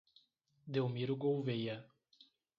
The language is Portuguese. Delmiro Gouveia